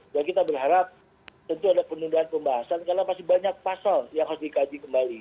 dan kita berharap tentu ada penundaan pembahasan karena masih banyak pasal yang harus dikaji kembali